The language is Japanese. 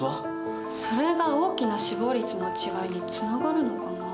それが大きな死亡率の違いにつながるのかな。